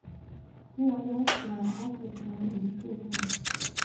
Two others were also killed in the shooting.